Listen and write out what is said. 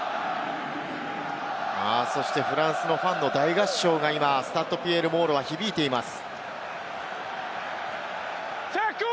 そしてフランスのファンの大合唱がスタッド・ピエール・モーロイ、響いています。